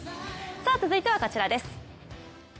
続いてはこちらです。